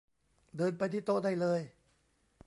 เดินไปที่โต๊ะได้เลย